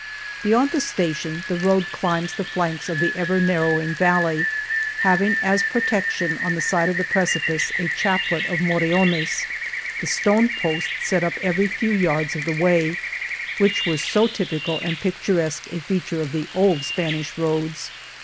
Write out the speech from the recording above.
Beyond the station the road climbs the flanks of the ever narrowing valley, having as protection on the side of the precipice a chaplet of moriones, the stone posts set up every few yards of the way, which were so typical and picturesque a feature of old Spanish roads.